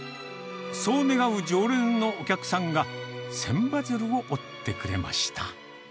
そう願う常連のお客さんが、千羽鶴を折ってくれました。